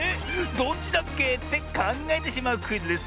どっちだっけ？」ってかんがえてしまうクイズです。